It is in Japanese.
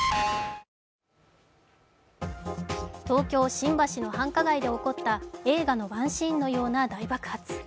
東京・新橋の繁華街で起こった映画のワンシーンのような大爆発。